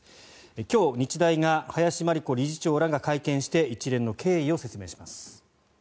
今日、林真理子理事長が会見して一連の経緯を説明します。